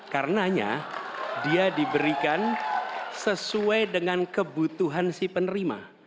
karenanya dia diberikan sesuai dengan kebutuhan si penerima